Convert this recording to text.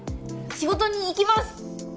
仕事に生きます！